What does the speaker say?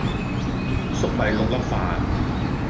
栗米六粒飯